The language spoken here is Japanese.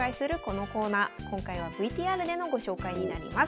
今回はＶＴＲでのご紹介になります。